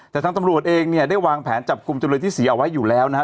แต่ทางตำรวจเองเนี่ยได้วางแผนจับกลุ่มจำเลยที่๔เอาไว้อยู่แล้วนะฮะ